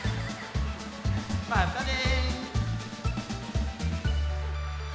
またね！